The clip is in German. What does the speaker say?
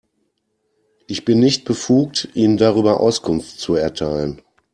Ich bin nicht befugt, Ihnen darüber Auskunft zu erteilen.